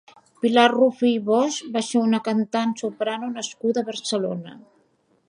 Pilar Rufí i Bosch va ser una cantant soprano nascuda a Barcelona.